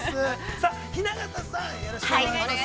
さあ、雛形さん、よろしくお願いいたします。